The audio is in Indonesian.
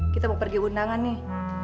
kita mau pergi undangan nih